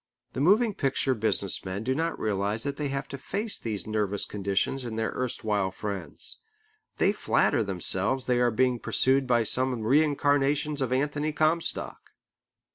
The moving picture business men do not realize that they have to face these nervous conditions in their erstwhile friends. They flatter themselves they are being pursued by some reincarnations of Anthony Comstock.